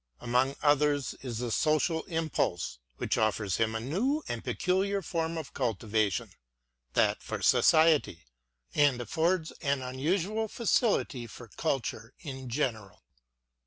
Among others is the social impulse; which offers him a new and peculiar form of culti vation, — that for society, — and affords an unusual facility for culture in general.